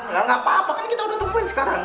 gak apa apa kan kita udah tempuin sekarang